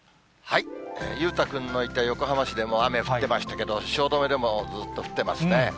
裕太君のいた横浜市でも、雨降ってましたけど、汐留でもずっと降ってますね。